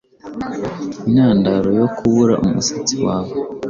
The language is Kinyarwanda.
intandaro yo kubura umusatsi wawe